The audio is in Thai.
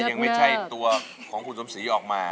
ยังไม่ใช่ตัวของคุณสมศรีออกมา